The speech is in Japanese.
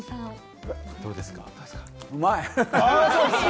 うまい！